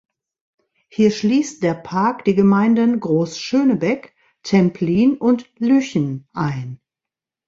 Hier schließt der Park die Gemeinden Groß Schönebeck, Templin und Lychen ein.